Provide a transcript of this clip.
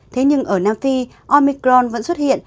thế nhưng ở nam phi omicron vẫn xuất hiện